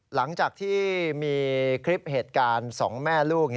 หลังจากที่มีคลิปเหตุการณ์๒แม่ลูก